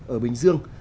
ở bình dương